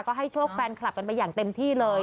ก็ให้โชคแฟนคลับกันไปอย่างเต็มที่เลย